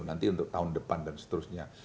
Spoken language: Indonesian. nanti untuk tahun depan dan seterusnya